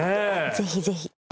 ぜひぜひ。